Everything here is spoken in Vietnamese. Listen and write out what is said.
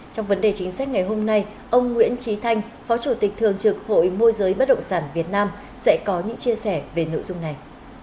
trong vấn đề chính sách ngày hôm nay ông nguyễn trí thanh phó chủ tịch thường trực hội môi giới bất động sản việt nam sẽ có những chia sẻ về nội dung này